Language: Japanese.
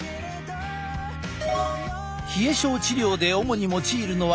冷え症治療で主に用いるのは漢方薬。